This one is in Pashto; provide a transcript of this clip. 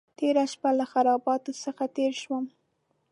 تېره شپه له خرابات څخه تېر شوم.